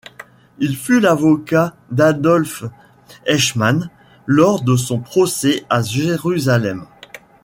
Il fut l'avocat d'Adolf Eichmann lors de son procès à Jérusalem.